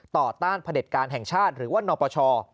ต้านพระเด็จการแห่งชาติหรือว่านปช